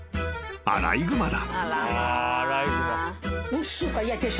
アライグマだ］